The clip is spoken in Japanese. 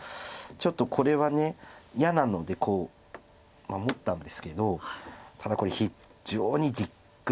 ちょっとこれは嫌なのでこう守ったんですけどただこれ非常にじっくり。